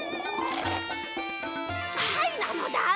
はいなのだ。